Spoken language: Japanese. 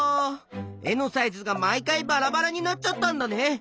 絵のサイズが毎回バラバラになっちゃったんだね。